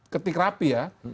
ketik rapi ya